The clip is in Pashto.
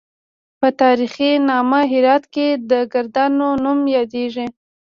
په تاریخ نامه هرات کې د کردانو نوم یادیږي.